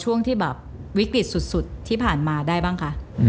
ช่วงที่แบบวิกฤตสุดที่ผ่านมาได้บ้างคะ